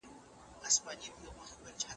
د لیکوالو تلینونه زموږ لپاره د یادونې درس دی.